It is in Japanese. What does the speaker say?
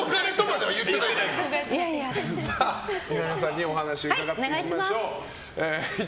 では、南野さんにお話を伺っていきましょう。